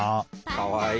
かわいい！